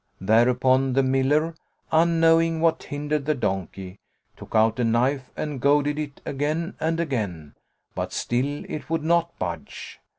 Thereupon the Miller, unknowing what hindered the donkey, took out a knife and goaded it again and again, but still it would not budge.